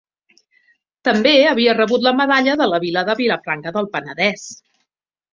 També havia rebut la Medalla de la Vila de Vilafranca del Penedès.